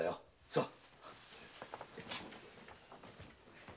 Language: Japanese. さあ。